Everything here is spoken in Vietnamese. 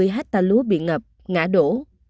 bảy mươi hecta lúa bị ngập ngã đổ